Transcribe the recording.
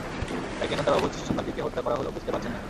তাই কেন তাঁর অবোধ শিশুসন্তানটিকে হত্যা করা হলো বুঝতে পারছেন না।